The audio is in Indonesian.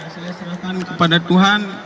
saya serahkan kepada tuhan